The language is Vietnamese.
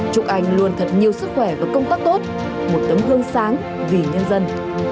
chúc anh luôn thật nhiều sức khỏe và công tác tốt một tấm gương sáng vì nhân dân